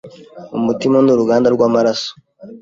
umutima ni uruganda rw’amaraso